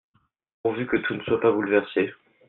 Pourvu que tout ne soit pas bouleversé !